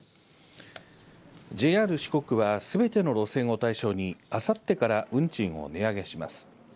ＪＲ四国はすべての路線を対象にあさってから運賃を値上げします。